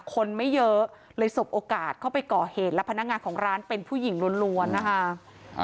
คนไม่เยอะเลยสบโอกาสเข้าไปก่อเหตุแล้วพนักงานของร้านเป็นผู้หญิงล้วนนะคะ